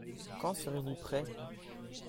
Quand serez-vous prêt ?